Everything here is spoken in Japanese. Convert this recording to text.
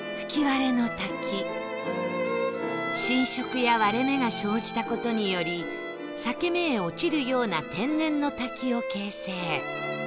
浸食や割れ目が生じた事により裂け目へ落ちるような天然の滝を形成